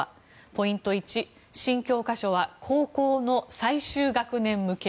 ポイント１新教科書は高校の最終学年向け。